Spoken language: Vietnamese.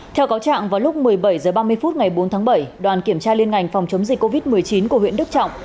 theo cáo trạng vào lúc một mươi bảy h ba mươi phút ngày bốn tháng bảy đoàn kiểm tra liên ngành phòng chống dịch covid một mươi chín của huyện đức trọng